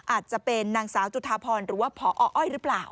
อาจจะเป็นนางสาวจุธาพรหรือว่าพออ้อยหรือเปล่า